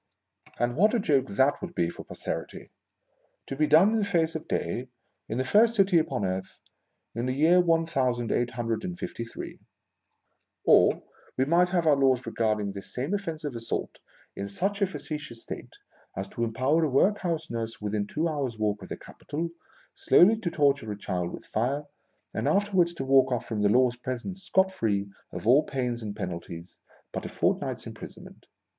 And what a joke that would be for Posterity ! To be done in the face of day, in the first city upon earth, in. the year one thousand eight hundred and fifty three ! Or, we might have our laws regarding this same offence of assault in such a facetious state as to empower a workhouse nurse within two hours' walk of the capital, slowly to torture a child with fire, and afterwards to walk off from the law's presence scot free of all pains and penalties, but a fort night's imprisonment